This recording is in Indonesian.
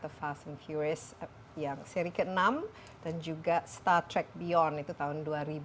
the fast and furious yang seri ke enam dan juga star trek beyond itu tahun dua ribu enam belas